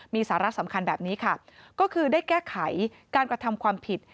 มีสาระสำคัญแบบนี้ค่ะก็คือได้แก้ไขการกระทำความผิด